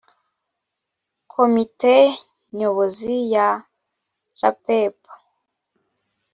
komite nyobozi ya rapep